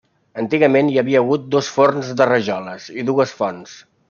Antigament hi havia hagut dos forns de rajoles i dues fonts.